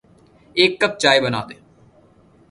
ایک کپ چائے بنادیں